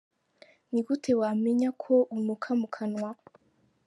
Ni gute wamenya ko unuka mu kanwa?.